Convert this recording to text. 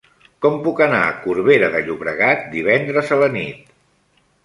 Com puc anar a Corbera de Llobregat divendres a la nit?